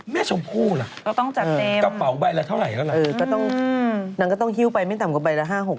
แม่ชมพูล่ะกระเป๋าใบละเท่าไหร่แล้วล่ะอือนังก็ต้องหิ้วไปไม่ต่ำกว่าใบละ๕๖ล้าน